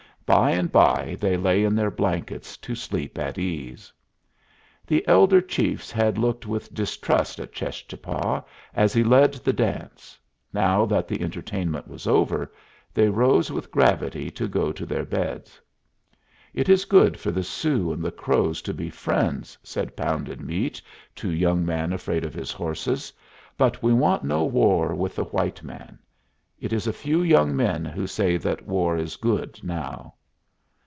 By and by they lay in their blankets to sleep at ease. The elder chiefs had looked with distrust at Cheschapah as he led the dance; now that the entertainment was over, they rose with gravity to go to their beds. "It is good for the Sioux and the Crows to be friends," said Pounded Meat to Young man afraid of his horses. "But we want no war with the white man. It is a few young men who say that war is good now."